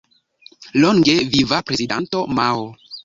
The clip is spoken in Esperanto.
Longe Viva Prezidanto Mao!